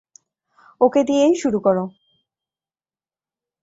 ওকে দিয়েই শুরু করো।